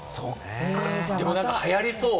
でも、はやりそう。